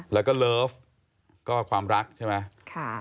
แล้วก็เลิฟก็ความรักใช่ไหม